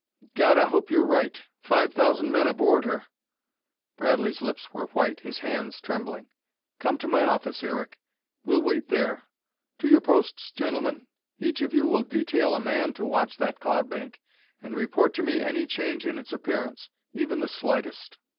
"God, I hope you're right. Five thousand men aboard her." Bradley's lips were white, his hands trembling. "Come to my office, Eric; we'll wait there. To your posts, gentlemen. Each of you will detail a man to watch that cloud bank, and report to me any change in its appearance, even the slightest."